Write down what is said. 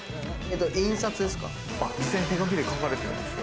印刷ですか？